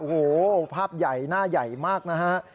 โอ้โหภาพใหญ่หน้าใหญ่มากนะฮะ